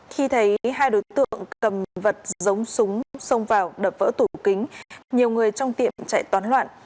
khi thấy hai đối tượng cầm vật giống súng xông vào đập vỡ tủ kính nhiều người trong tiệm chạy toán loạn